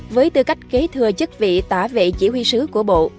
với tư cách kế thừa chất vị tả vệ chỉ huy sứ của bộ